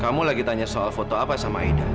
kamu lagi tanya soal foto apa sama ida